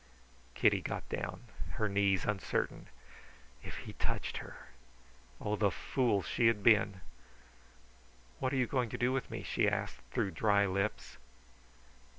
Kitty got down, her knees uncertain. If he touched her! Oh, the fool she had been! "What are you going to do with me?" she asked through dry lips.